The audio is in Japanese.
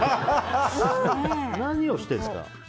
何をしてるんですか。